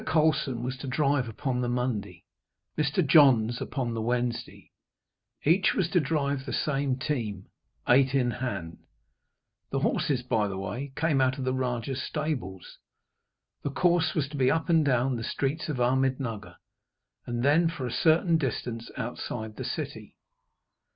Colson was to drive upon the Monday, Mr. Johns upon the Wednesday. Each was to drive the same team eight in hand. The horses, by the way, came out of the Rajah's stables. The course was to be up and down the streets of Ahmednugger, and then for a certain distance outside the city.